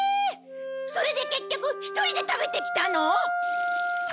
それで結局１人で食べてきたの？